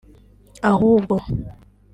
ahubwo